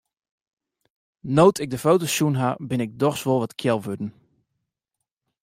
No't ik de foto's sjoen ha, bin ik dochs wol wat kjel wurden.